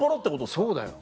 そうだよ。